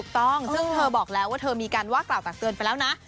ถูกต้องซึ่งเธอบอกแล้วว่าเธอมีการว่ากล่าวตักเตือนไปแล้วนะ